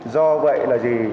do vậy là gì